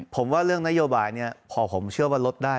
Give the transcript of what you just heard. ผมว่าเรื่องนโยบายนี้พอผมเชื่อว่าลดได้